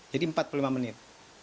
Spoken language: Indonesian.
jadi empat puluh lima menit